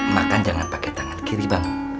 makan jangan pakai tangan kiri banget